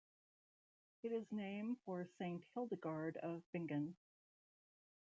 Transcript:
It is named for Saint Hildegard of Bingen.